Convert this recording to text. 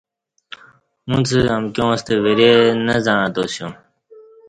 اُݩڅ امکیاں ستہ ورے نہ زعݩتاسیوم